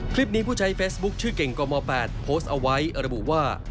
ผู้ใช้เฟซบุ๊คชื่อเก่งกม๘โพสต์เอาไว้ระบุว่า